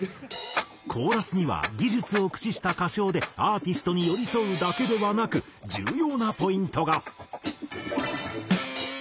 コーラスには技術を駆使した歌唱でアーティストに寄り添うだけではなく重要なポイントが。